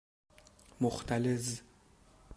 مختلظ